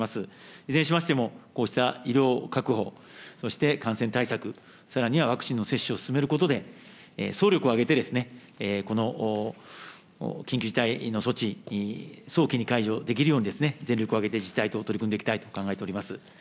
いずれにしましても、こうした医療確保、そして感染対策、さらにはワクチンの接種を進めることで、総力を挙げて、この緊急事態の措置、早期に解除できるようにですね、全力を挙げて自治体と取り組んでいきたいと考えております。